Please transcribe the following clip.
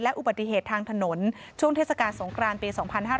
อุบัติเหตุทางถนนช่วงเทศกาลสงครานปี๒๕๕๙